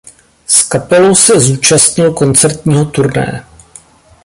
S kapelou se zúčastnil koncertního turné.